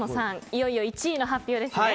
いよいよ１位の発表ですね。